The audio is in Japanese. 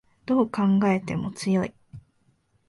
どう考えても強い